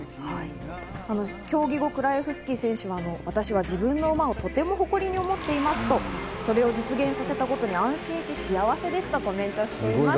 競技後、クライエフスキー選手は私は自分の馬をとても誇りに思っていますと、それを実現させたことに安心し幸せですとコメントしています。